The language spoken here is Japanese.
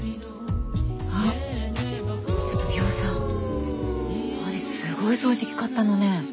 あっちょっとミホさん何すごい掃除機買ったのねぇ。